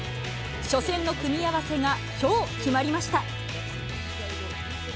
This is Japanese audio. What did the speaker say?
初戦の組み合わせがきょう、決まりました。